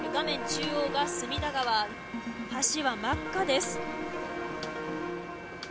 中央が隅田川橋は真っ赤です。